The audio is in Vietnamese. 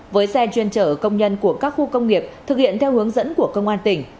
với xe chuyên chở công nhân của các khu công nghiệp thực hiện theo hướng dẫn của công an tỉnh